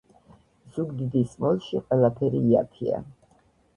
ზუგდიდის მოლში ყველაფერი იაფია.